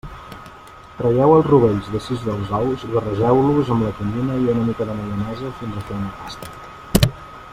Traieu els rovells de sis dels ous i barregeu-los amb la tonyina i una mica de maionesa fins a fer una pasta.